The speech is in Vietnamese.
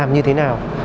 làm như thế nào